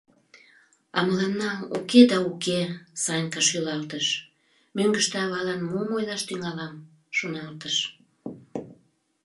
— А мыланна уке да уке, — Санька шӱлалтыш, мӧҥгыштӧ авалан мом ойлаш тӱҥалам, шоналтыш.